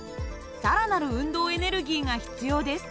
更なる運動エネルギーが必要です。